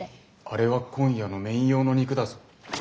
あれは今夜のメイン用の肉だぞ。